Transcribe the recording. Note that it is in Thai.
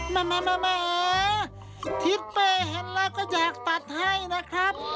แหมทิศเป้เห็นแล้วก็อยากตัดให้นะครับ